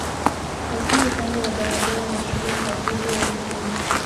Lakini upande wa barabara na shule kwa ajili ya elimu